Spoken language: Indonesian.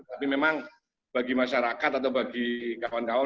tapi memang bagi masyarakat atau bagi kawan kawan